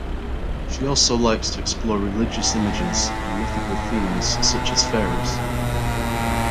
She also likes to explore religious images and mythical themes such as fairies.